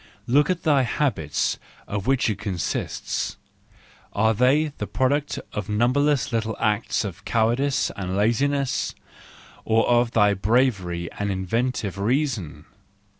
Look at thy habits of which it consists: are they the product of numberless little acts of cowardice and laziness, or of thy bravery and inventive reason